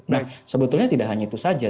nah sebetulnya tidak hanya itu saja